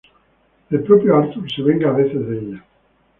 El propio Arthur se venga a veces de ella.